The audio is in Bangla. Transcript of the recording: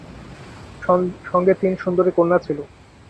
সঙ্গে তিন সুন্দরী কন্যা ছিল।